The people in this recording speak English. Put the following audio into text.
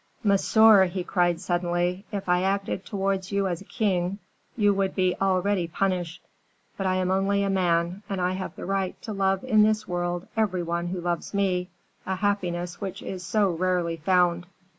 "Monsieur," he cried, suddenly, "if I acted towards you as a king, you would be already punished; but I am only a man, and I have the right to love in this world every one who loves me, a happiness which is so rarely found."